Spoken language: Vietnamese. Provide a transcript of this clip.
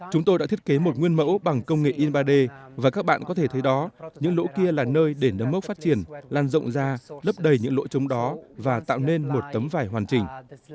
chúng tôi đã thiết kế một nguyên mẫu bằng công nghệ in ba d và các bạn có thể thấy đó những lỗ kia là nơi để nấm mốc phát triển lan rộng ra lấp đầy những lỗ trống đó và tạo nên một tấm vải hoàn chỉnh